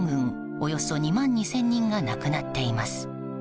およそ２万２０００人が亡くなっています。